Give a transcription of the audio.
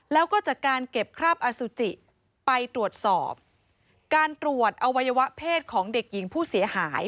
แล้วก็จากการเก็บคราบอสุจิไปตรวจสอบการตรวจอวัยวะเพศของเด็กหญิงผู้เสียหาย